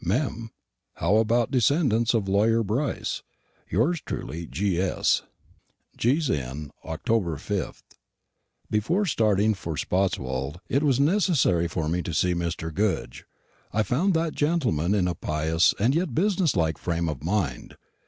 "Mem. How about descendants of lawyer Brice? Yours truly, G.S. "G.'s Inn, Oct. 5th." Before starting for Spotswold it was necessary for me to see Mr. Goodge. I found that gentleman in a pious and yet business like frame of mind.